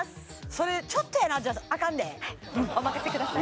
それちょっとじゃあかんでお任せください